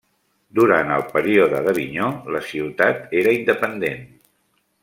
Durant el període d'Avinyó la ciutat era independent.